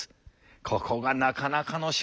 ここがなかなかの代物だ。